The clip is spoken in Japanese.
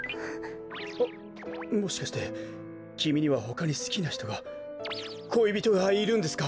あっもしかしてきみにはほかにすきなひとがこいびとがいるんですか？